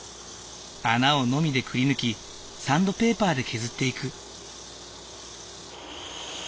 穴をノミでくりぬきサンドペーパーで削っていく。